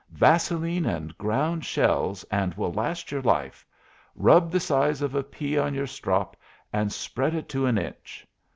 "Vaseline and ground shells, and will last your life. Rub the size of a pea on your strop and spread it to an inch."